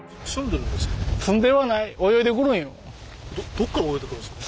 どっから泳いでくるんですか？